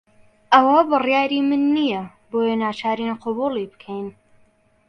ئەوە بڕیاری من نییە، بۆیە ناچارین قبوڵی بکەین.